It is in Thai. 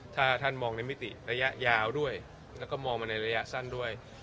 ถ้าท่านมองในมิติระยะยาวด้วยแล้วก็มองมาในระยะสั้นด้วย